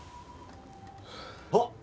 あっ！